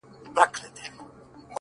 ژوند چي د عقل په ښکلا باندې راوښويدی _